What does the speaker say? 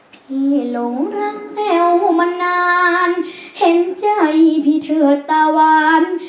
พี่หลงรักแววมานานเห็นใจพี่เถิดตาหวาน